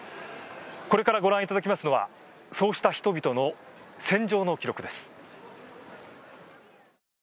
これからご覧いただきますのはそうした人々の戦場の記録です。